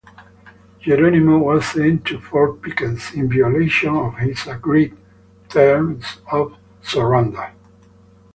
Geronimo was sent to Fort Pickens, in violation of his agreed terms of surrender.